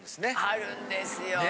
あるんですよ。